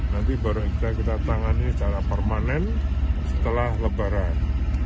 nanti baru kita tangani secara permanen setelah lebaran